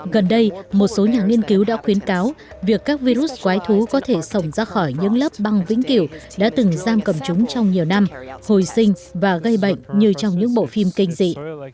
gần đây một số nhà nghiên cứu đã khuyến cáo việc các virus quái thú có thể sống ra khỏi những lớp băng vĩnh cửu đã từng giam cầm chúng trong nhiều năm hồi sinh và gây bệnh như trong những bộ phim kinh dị